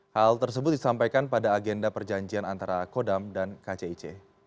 hal tersebut disampaikan pada agenda perjanjian antara kodam dan kcic